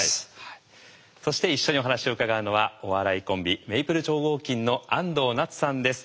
そして一緒にお話を伺うのはお笑いコンビメイプル超合金の安藤なつさんです。